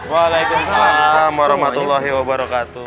waalaikumsalam warahmatullahi wabarakatuh